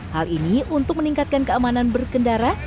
hal ini untuk meningkatkan keamanan berkendara